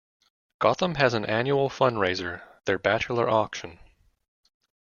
Gotham has as an annual fund raiser their Bachelor Auction.